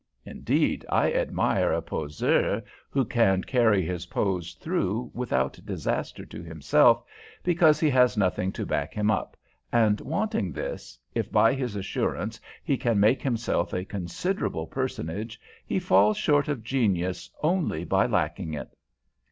Indeed, I admire a poseur who can carry his pose through without disaster to himself, because he has nothing to back him up, and, wanting this, if by his assurance he can make himself a considerable personage he falls short of genius only by lacking it.